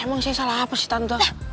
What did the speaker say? emang sih salah apa sih tante